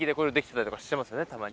たまに。